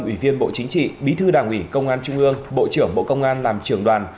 ủy viên bộ chính trị bí thư đảng ủy công an trung ương bộ trưởng bộ công an làm trưởng đoàn